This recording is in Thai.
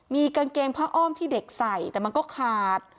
มีกางเกงผ้าอ้อมที่เด็กใส่แต่มันก็ขาด